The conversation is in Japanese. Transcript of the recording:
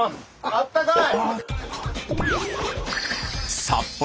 あったかい。